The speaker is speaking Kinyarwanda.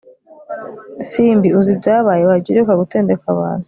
simbi uzi ibyabaye wagiye ureka gutendeka abantu